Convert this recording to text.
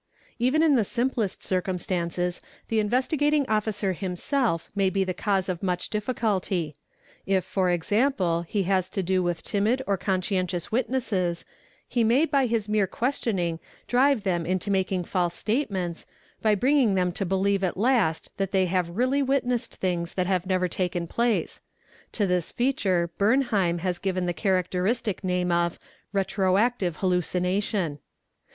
_ Even in the simplest circumstances, the Investigating Officer himself may be the cause of much difficulty; if for example he has to do with T pe aE — RL ALR MB I halt BA DOA A NLR | A RC URNS ry _ timid or conscientious witnesses he may by his mere questioning drive them into making false statements, by bringing them to believe at last ; that they have really witnessed things that have never taken place. To this feature Bernheim" has given the characteristic name of " retro active hallucination.